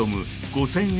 ５０００円